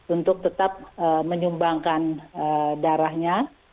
untuk tetap menyumbangkan darahnya